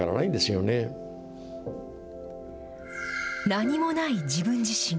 何もない自分自身。